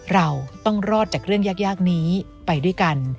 เราต้องรอดจากเรื่องยากนี้ไปด้วยกัน